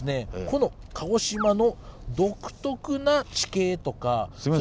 この鹿児島の独特な地形とか。